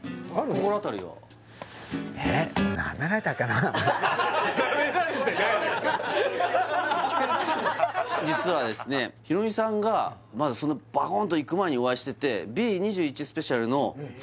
心当たりは？舐められてないですよ実はですねヒロミさんがまだバコンといく前にお会いしててえっ！？